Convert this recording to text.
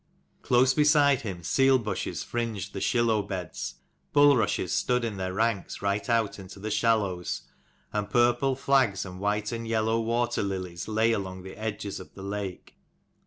Close beside him, seal bushes fringed the shilloe beds, bulrushes stood in their ranks right out into the shallows, and purple flags and white and yellow water lilies lay along the edges of the lake.